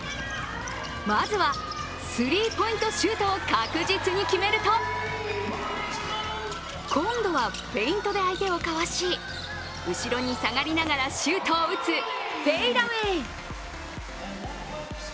まずはスリーポイントシュートを確実に決めると今度はフェイントで相手をかわし後ろに下がりながらシュートを打つ、フェイダウェイ。